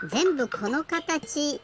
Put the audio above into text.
このかたち！